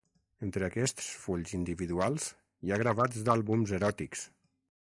Entre aquests fulls individuals, hi ha gravats d'àlbums eròtics.